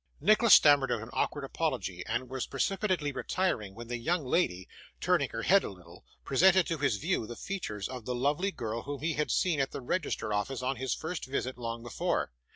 Nicholas stammered out an awkward apology, and was precipitately retiring, when the young lady, turning her head a little, presented to his view the features of the lovely girl whom he had seen at the register office on his first visit long before.